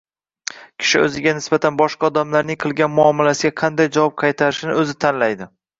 Kishi o‘ziga nisbatan boshqa odamlarning qilgan muomalasiga qanday javob qaytarishini o‘zi tanlaydi.